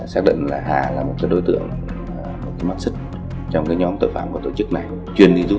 xác định là hà là một đối tượng một mặt sức trong nhóm tội phạm của tổ chức này chuyên đi giúp